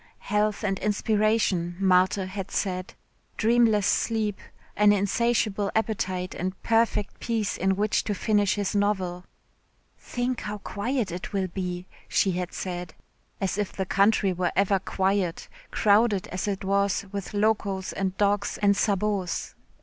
Health and inspiration, Marthe had said, dreamless sleep, an insatiable appetite and perfect peace in which to finish his novel. "Think how quiet it will be," she had said. As if the country were ever quiet, crowded as it was with locos and dogs and sabots.